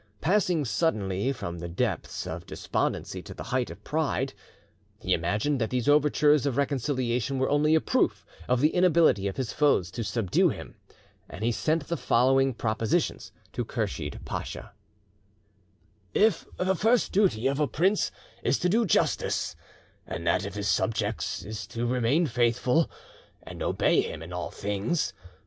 Passing suddenly from the depth of despondency to the height of pride, he imagined that these overtures of reconciliation were only a proof of the inability of his foes to subdue him, and he sent the following propositions to Kursheed Pacha: "If the first duty of a prince is to do justice, that of his subjects is to remain faithful, and obey him in all things.